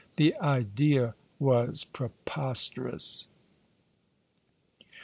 The idea was preposterous